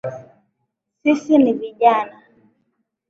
Sisi ni vijana